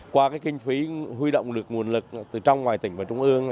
qua kinh phí huy động được nguồn lực từ trong ngoài tỉnh và trung ương